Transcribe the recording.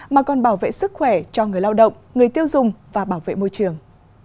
mà còn bảo vệ sức khỏe cho người lao động người tiêu dùng và bảo vệ môi trường